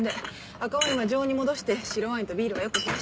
赤ワインは常温に戻して白ワインとビールはよく冷やして。